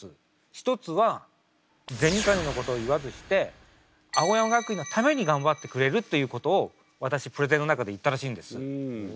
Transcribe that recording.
１つは銭金のことを言わずして青山学院のためにがんばってくれるということを私プレゼンの中で言ったらしいんです。